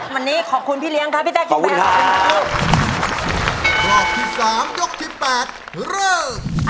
วันนี้ขอบคุณพี่แล้งขอให้พี่แต้กินไปแล้วน้อยดีกว่าครับ